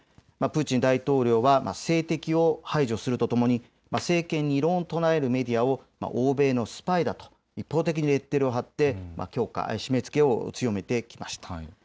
プーチン大統領は政敵を排除するとともに政権に異論を唱えるメディアを欧米のスパイだと一方的にレッテルを貼って締めつけを強めてきました。